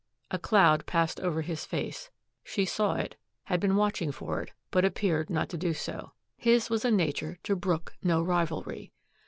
A cloud passed over his face. She saw it, had been watching for it, but appeared not to do so. His was a nature to brook no rivalry.